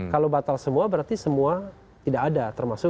kalau batal semua berarti semua tidak ada termasuk